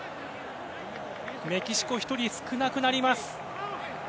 メキシコ、１人少なくなります。